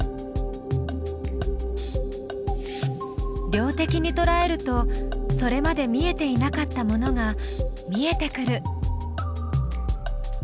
量的にとらえるとそれまで見えていなかったものが見えてくる。